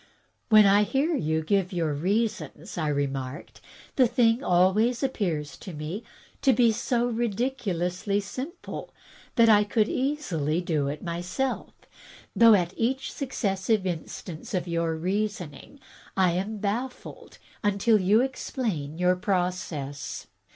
"When I hear you give your reasons," I remarked, "the thing always appears to me to be so ridiculously simple that I could easily do it myself, though at each successive instance of your reasoning I am baffled, until you explain your process.